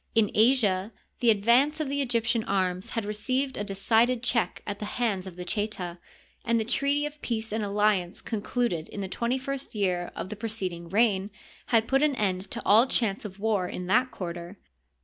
In Asia the advance of the Egyptian arms had received a decided check at the hands of the Cheta, and the treaty of peace and alliance concluded in the twenty first year of the preceding reign had put an end to all chance of war in that quarter.